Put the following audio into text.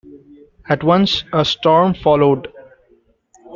At once, a storm followed.